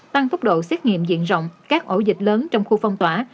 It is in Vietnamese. tăng phúc độ xét nghiệm diện rộng các ổ dịch lớn trong khu phong tỏa